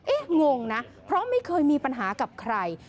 งงนะเพราะไม่เคยมีปัญหากับใคร